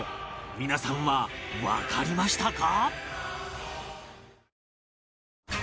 皆さんはわかりましたか？